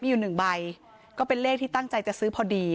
มีอยู่หนึ่งใบก็เป็นเลขที่ตั้งใจจะซื้อพอดี